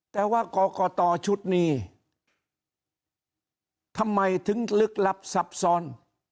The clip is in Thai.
แต่ว่ากรกตชุดนี้ทำไมถึงลึกลับซับซ้อน